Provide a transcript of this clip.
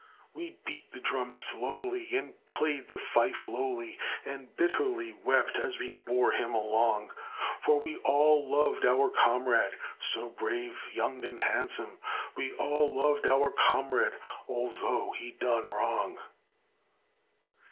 We beat the drum slowly and played the fife lowly, And bitterly wept as we bore him along; For we all loved our comrade, so brave, young, and handsome, We all loved our comrade although he'd done wrong.